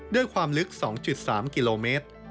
ด้วยความลึก๒๓กิโลเมตร